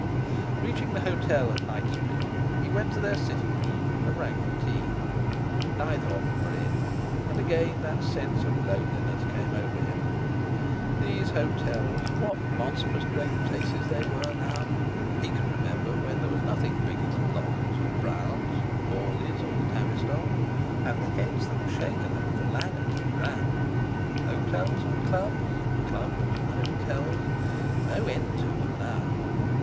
Reaching the hotel at Knightsbridge he went to their sitting room, and rang for tea. Neither of them were in. And again that sense of loneliness came over him. These hotels. What monstrous great places they were now! He could remember when there was nothing bigger than Long's or Brown's, Morley's or the Tavistock, and the heads that were shaken over the Langham and the Grand. Hotels and Clubs—Clubs and Hotels; no end to them now!